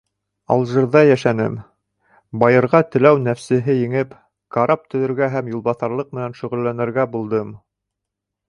Алжирҙа йәшәнем; байырға теләү нәфсеһе еңеп, карап төҙөргә һәм юлбаҫарлыҡ менән шөғөлләнергә булдым.